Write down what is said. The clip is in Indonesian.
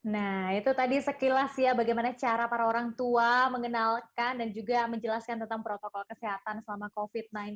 nah itu tadi sekilas ya bagaimana cara para orang tua mengenalkan dan juga menjelaskan tentang protokol kesehatan selama covid sembilan belas